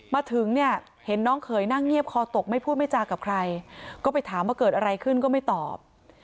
มาถึงเนี่ยเห็นน้องเขยนั่งเงียบคอตกไม่พูดไม่จากับใครก็ไปถามว่าเกิดอะไรขึ้นก็ไม่ตอบ